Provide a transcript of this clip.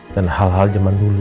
dan hal hal jaman dulu